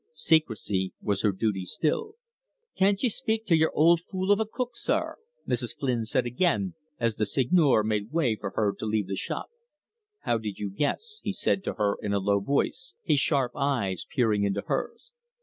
Secrecy was her duty still. "Can't ye speak to y're ould fool of a cook, sir?" Mrs. Flynn said again, as the Seigneur made way for her to leave the shop. "How did you guess?" he said to her in a low voice, his sharp eyes peering into hers.